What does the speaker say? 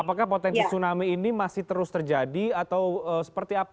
apakah potensi tsunami ini masih terus terjadi atau seperti apa